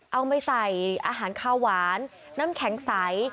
เอาไปใส่อาหารข้าวหวานน้ำแข็งใส